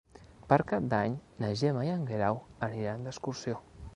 Per Cap d'Any na Gemma i en Guerau aniran d'excursió.